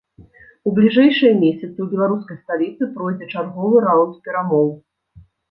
У бліжэйшыя месяцы ў беларускай сталіцы пройдзе чарговы раўнд перамоў.